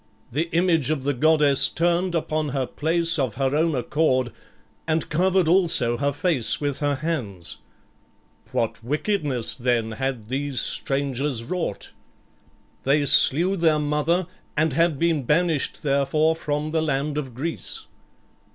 "The image of the goddess turned upon her place of her own accord and covered also her face with her hands." "What wickedness, then, had these strangers wrought?" "They slew their mother and had been banished therefor from the land of Greece."